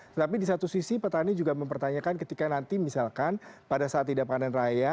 tetapi di satu sisi petani juga mempertanyakan ketika nanti misalkan pada saat tidak panen raya